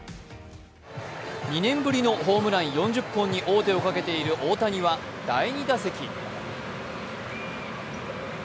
２年ぶりのホームラン４０本に王手をかけている大谷は第２打席。